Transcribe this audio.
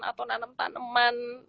atau nanem taneman